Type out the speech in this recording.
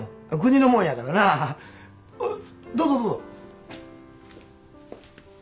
どうぞどうぞ。